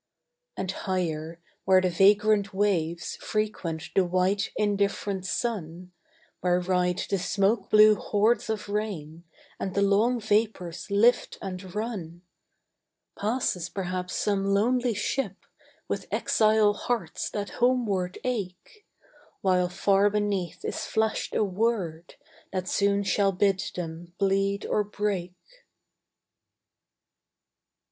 And higher, where the vagrant waves Frequent the white, indifferent sun, Where ride the smoke blue hordes of rain And the long vapors lift and run, Passes perhaps some lonely ship With exile hearts that homeward ache, While far beneath is flashed a word That soon shall bid them bleed or break.